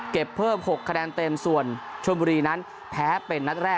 ขอพูดดีครับ